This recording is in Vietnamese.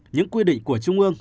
những quy định của trung ương